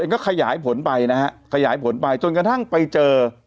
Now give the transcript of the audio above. ก็ขยายผลไปนะฮะขยายผลไปจนกระทั่งไปเจอ